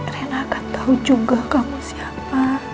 rena akan tahu juga kamu siapa